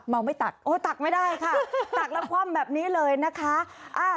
ไม่ตักโอ้ตักไม่ได้ค่ะตักแล้วคว่ำแบบนี้เลยนะคะ